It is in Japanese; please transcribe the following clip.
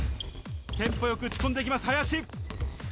テンポよく打ち込んでいきます、林。